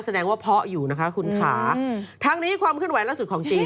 แสดงว่าเพาะอยู่นะคะคุณค่ะทั้งนี้ความขึ้นไหวล่าสุดของจริง